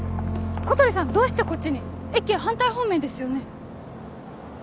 小鳥さんどうしてこっちに駅反対方面ですよね